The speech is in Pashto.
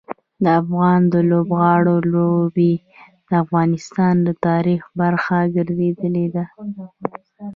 د افغان لوبغاړو لوبې د افغانستان د تاریخ برخه ګرځېدلي دي.